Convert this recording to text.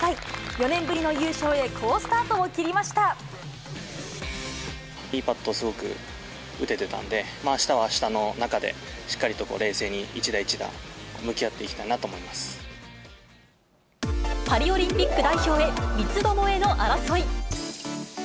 ４年ぶりの優勝へ、好スタートをいいパットをすごく打ててたんで、あしたはあしたの中で、しっかりと冷静に一打一打、パリオリンピック代表へ、三つどもえの争い。